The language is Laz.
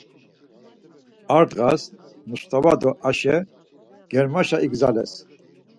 Ar ndğas Mustava do Aşe germaşa igzales.